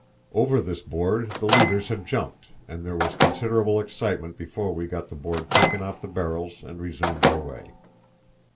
Over this board the leaders had jumped, and there was considerable excitement before we got the board taken off the barrels and resumed our way.